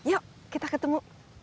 yuk kita ketemu